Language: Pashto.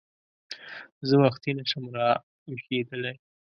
زه وختي نه شم راویښېدلی !